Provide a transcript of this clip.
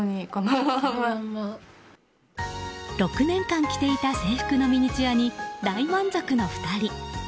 ６年間着ていた制服のミニチュアに大満足の２人。